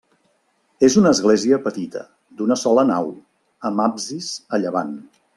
És una església petita, d'una sola nau, amb absis a llevant.